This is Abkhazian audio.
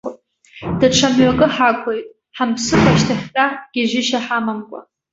Даҽа мҩакы ҳақәлеит, ҳамԥсыкәа шьҭахьҟа гьежьышьа ҳамамкәа.